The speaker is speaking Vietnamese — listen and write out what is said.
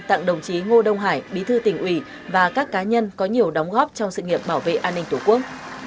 tặng đồng chí ngô đông hải bí thư tỉnh ủy và các cá nhân có nhiều đóng góp trong sự nghiệp bảo vệ an ninh tổ quốc